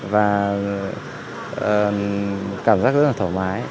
và cảm giác rất là thoải mái